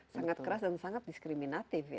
sangat keras dan sangat diskriminatif